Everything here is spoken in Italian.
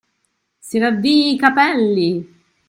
Si ravvii i capelli!